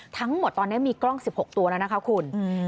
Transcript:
ทั้งหมดตอนนี้มีกล้อง๑๖ตัวแล้วนะคะคุณ